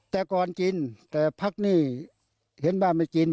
แต่ก่อนกินแต่พักนี่เห็นบ้านไม่กิน